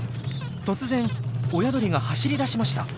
突然親鳥が走りだしました。